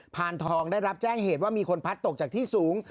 พานทองได้รับแจ้งเหตุว่ามีคนพัดตกจากที่สูง